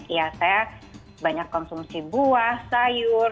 ya saya banyak konsumsi buah sayur